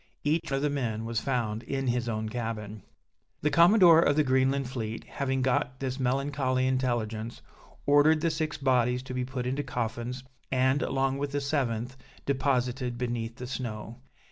Each of the men was found in his own cabin. The Commodore of the Greenland fleet having got this melancholy intelligence, ordered the six bodies to be put into coffins, and, along with the seventh, deposited beneath the snow.